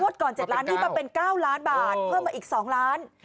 ก่อน๗ล้านนี่มาเป็น๙ล้านบาทเพิ่มมาอีก๒ล้าน